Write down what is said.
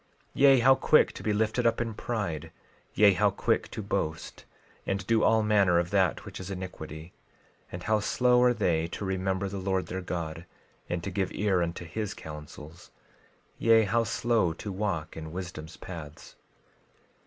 12:5 Yea, how quick to be lifted up in pride; yea, how quick to boast, and do all manner of that which is iniquity; and how slow are they to remember the Lord their God, and to give ear unto his counsels, yea, how slow to walk in wisdom's paths!